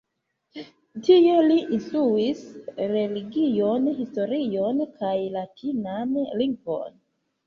Tie li instruis religion, historion kaj latinan lingvon.